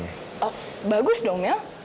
oh bagus dong ya